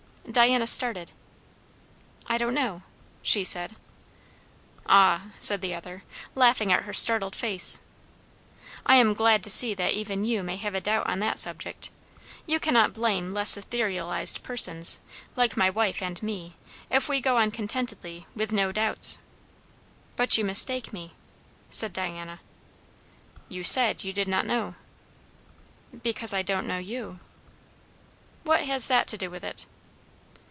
Diana started. "I don't know," she said. "Ah," said the other, laughing at her startled face, "I am glad to see that even you may have a doubt on that subject. You cannot blame less etherealized persons, like my wife and me, if we go on contentedly, with no doubts." "But you mistake me," said Diana. "You said, you did not know." "Because I don't know you." "What has that to do with it?"